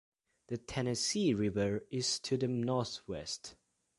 The Tennessee River is to the northwest.